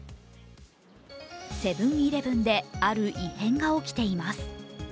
セブン−イレブンである異変が起きています。